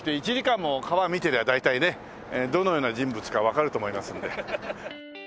てりゃ大体ねどのような人物かわかると思いますんで。